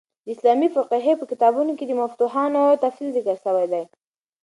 د اسلامي فقهي په کتابو کښي د مفتوحانو تفصیلات ذکر سوي دي.